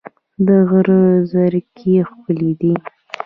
د غره زرکې ښکلې دي